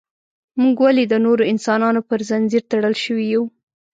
موږ ولې د نورو انسانانو پر زنځیر تړل شوي یو.